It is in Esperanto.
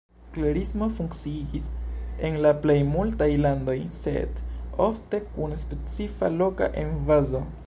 Klerismo funkciigis en la plej multaj landoj, sed ofte kun specifa loka emfazo.